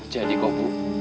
jadi kok bu